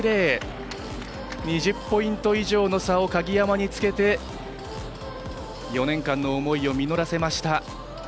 ２０ポイント以上の差を鍵山につけて４年間の思いを実らせました。